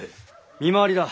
見回りだ。